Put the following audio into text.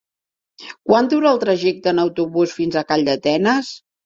Quant dura el trajecte en autobús fins a Calldetenes?